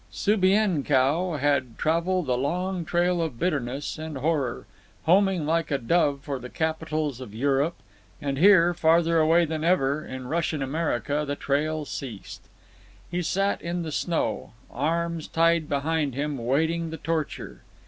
Subienkow had travelled a long trail of bitterness and horror, homing like a dove for the capitals of Europe, and here, farther away than ever, in Russian America, the trail ceased. He sat in the snow, arms tied behind him, waiting the torture.